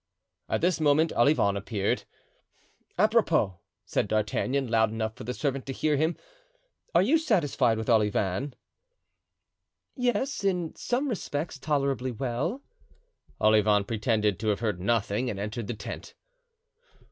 At this moment Olivain appeared. "Apropos," said D'Artagnan, loud enough for the servant to hear him, "are you satisfied with Olivain?" "Yes, in some respects, tolerably well." Olivain pretended to have heard nothing and entered the tent.